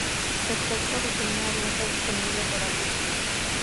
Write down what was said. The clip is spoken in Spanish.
El texto original no está disponible todavía.